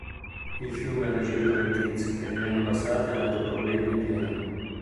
Il fiume ha regime torrentizio che negli anni passati ha dato problemi di piena.